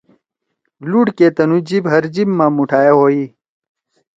لُوڑ کے تُنُو جیِب ہر جیِب ما مُوٹھائے ہوئی۔